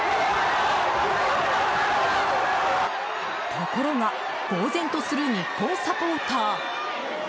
ところがぼうぜんとする日本サポーター。